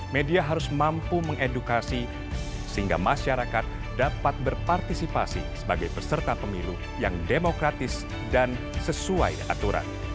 media harus mampu mengedukasi sehingga masyarakat dapat berpartisipasi sebagai peserta pemilu yang demokratis dan sesuai aturan